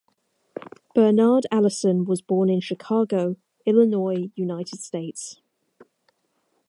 Bernard Allison was born in Chicago, Illinois, United States.